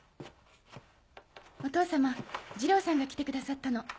お父様二郎さんが来てくださったの。